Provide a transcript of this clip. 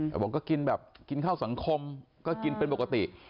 แต่บอกก็กินแบบกินข้าวสังคมก็กินเป็นปกติ